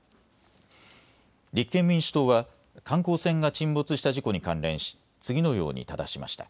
立憲民主党は観光船が沈没した事故に関連し次のようにただしました。